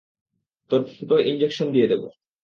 তোর ফুটোয় ইঞ্জেকশন দিয়ে দেব!